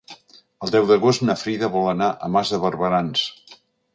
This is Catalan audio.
El deu d'agost na Frida vol anar a Mas de Barberans.